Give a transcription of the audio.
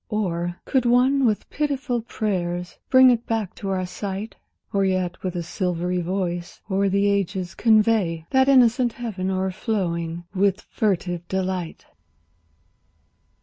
Or, could one with pityful prayers bring it back to our sight? Or yet with a silvery voice o'er the ages convey That innocent heaven o'erflowing with furtive delight!